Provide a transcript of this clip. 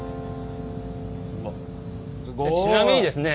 ちなみにですね